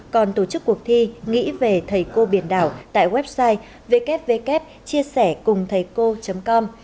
còn tổ chức cuộc thi nghĩ về thầy cô biển đảo tại website ww chia sẻ cùng thầy cô com